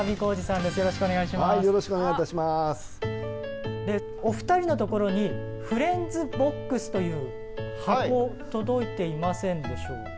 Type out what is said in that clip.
でお２人のところに「フレンズボックス」という箱届いていませんでしょうか？